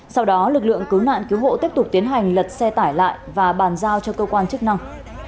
sau đó lực lượng cứu nạn cứu hộ tiếp tục tiến hành lật xe tải lại và bàn giao cho cơ quan chức năng